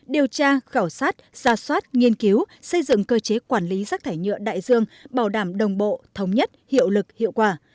điều tra khảo sát ra soát nghiên cứu xây dựng cơ chế quản lý rác thải nhựa đại dương bảo đảm đồng bộ thống nhất hiệu lực hiệu quả